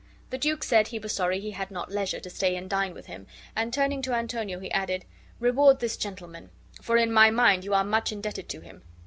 The duke said he was sorry he had not leisure to stay and dine with him, and, turning to Antonio, he added, "Reward this gentleman; for in my mind you are much indebted to him."